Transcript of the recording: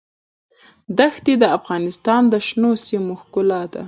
دښتې د افغانستان د شنو سیمو ښکلا ده.